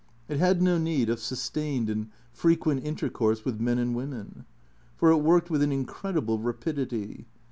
It had no need of sustained and frequent intercourse with men and women. For it worked with an incredible ra pidity.